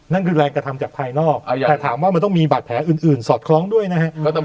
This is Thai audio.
นั่นคือแรงกระทำจากภายนอกแต่ถามว่ามันต้องมีบาดแผลอื่นสอดคล้องด้วยนะครับ